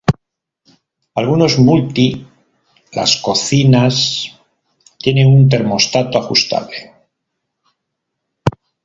Algunos multi las cocinas tienen un termostato ajustable.